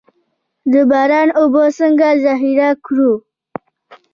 د باران اوبه څنګه ذخیره کړو؟